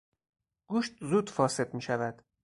گوشت زود فاسد میشود.